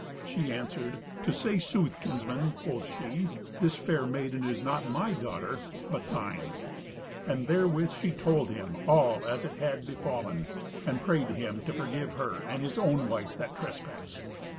She answered: "To say sooth, kinsman," quoth she, "this fair maiden is not my daughter, but thine." And therewith she told him all as it had befallen, and prayed him to forgive her and his own wife that trespass.